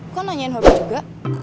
kok nanyain hobi juga